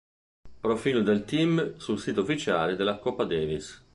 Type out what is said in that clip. Profilo del team sul sito ufficiale della Coppa Davis